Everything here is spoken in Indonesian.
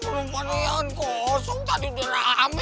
perempuan yang kosong tadi udah rame